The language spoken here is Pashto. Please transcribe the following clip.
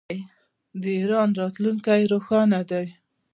د ایران راتلونکی روښانه دی.